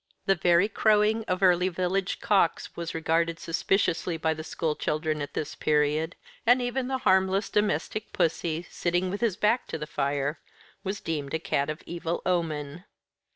The very crowing of early village cocks was regarded suspiciously by the school children at this period; and even the harmless domestic pussy, sitting with his back to the fire, was deemed a cat of evil omen.